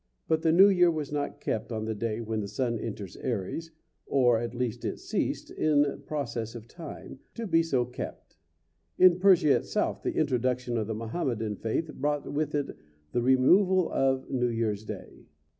But the New Year was not kept on the day when the sun enters Aries, or at least it ceased, in process of time, to be so kept. In Persia itself the introduction of the Mohammedan faith brought with it the removal of New Year's day.